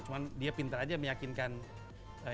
cuma dia pintar aja meyakinkan